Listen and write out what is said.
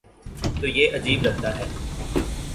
تو یہ عجیب لگتا ہے۔